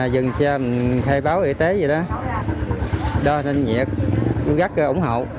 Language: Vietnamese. dừng xe thay báo y tế gì đó đo thân nhiệt gắt ủng hộ